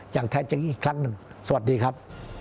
อย่างแท้จริงอีกครั้งหนึ่งสวัสดีครับ